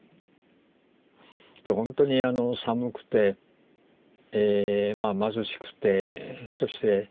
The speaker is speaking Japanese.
ほんとに寒くて貧しくてそして。